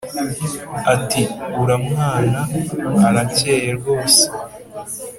ati”uramwana arakeye rwose